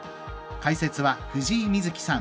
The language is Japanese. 解説は藤井瑞希さん。